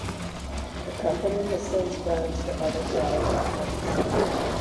The company has since branched to other product offerings.